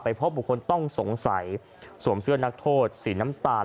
พบบุคคลต้องสงสัยสวมเสื้อนักโทษสีน้ำตาล